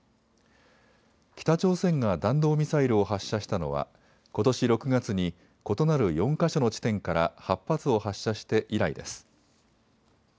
北朝鮮が弾道ミサイルを発射したのはことし６月に異なる４か所の地点から８発を発射して以来です。